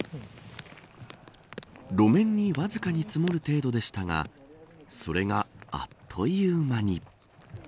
路面にわずかに積もる程度でしたがそれが、あっという間に。